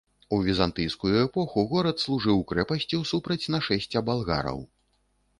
У візантыйскую эпоху горад служыў крэпасцю супраць нашэсця балгараў.